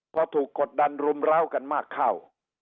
พอถูกกดดันรุมร้าวกันมากเข้า